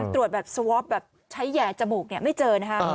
ตรวจแบบแบบใช้แหย่จมูกเนี่ยไม่เจอนะคะอืม